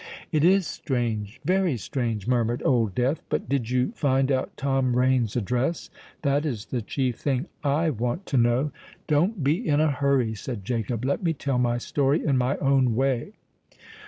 "It is strange—very strange!" murmured Old Death. "But did you find out Tom Rain's address? That is the chief thing I want to know." "Don't be in a hurry," said Jacob: "let me tell my story in my own way.